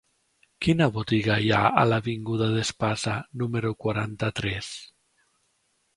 Quina botiga hi ha a l'avinguda d'Espasa número quaranta-tres?